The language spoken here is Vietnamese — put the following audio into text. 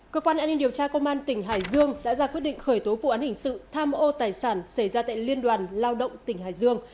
cơ quan an ninh điều tra công an tỉnh hải dương đã ra quyết định khởi tố vụ án hình sự tham ô tài sản xảy ra tại liên đoàn lao động tỉnh hải dương